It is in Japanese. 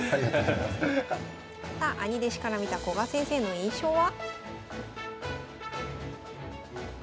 さあ兄弟子から見た古賀先生の印象は？